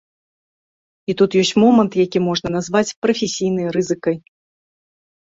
І тут ёсць момант, які можна назваць прафесійнай рызыкай.